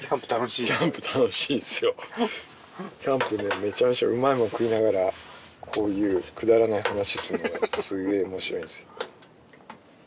キャンプでめちゃめちゃうまいもん食いながらこういうくだらない話するのがすげぇ面白いんですよ